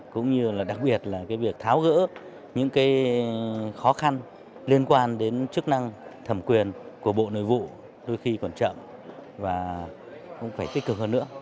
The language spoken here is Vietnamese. cũng như là đặc biệt là việc tháo gỡ những cái khó khăn liên quan đến chức năng thẩm quyền của bộ nội vụ đôi khi còn chậm và cũng phải tích cực hơn nữa